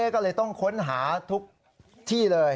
ก็เลยต้องค้นหาทุกที่เลย